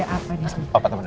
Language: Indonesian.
gak apa apa temen kamu